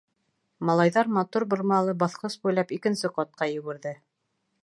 Малайҙар матур, бормалы баҫҡыс буйлап икенсе ҡатҡа йүгерҙе.